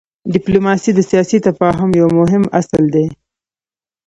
ډيپلوماسي د سیاسي تفاهم یو مهم اصل دی.